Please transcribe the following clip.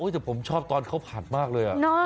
แต่ผมชอบตอนเขาผัดมากเลย